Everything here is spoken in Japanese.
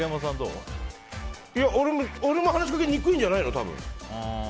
俺も話しかけにくいんじゃないの。